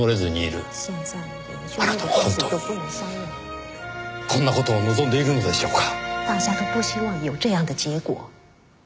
あなたは本当にこんな事を望んでいるのでしょうか？